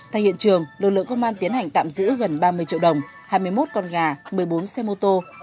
thay hiện trường lực lượng công an tiến hành tạm giữ gần ba mươi triệu đồng hai mươi một con gà một mươi bốn xe mô tô